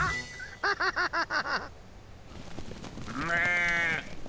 アハハハハ！